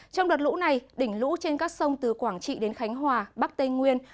trong đợt lũ này đỉnh lũ trên các sông từ quảng trị đến khánh hòa bắc tây nguyên